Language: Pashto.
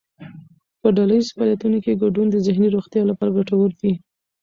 په ډلهییز فعالیتونو کې ګډون د ذهني روغتیا لپاره ګټور دی.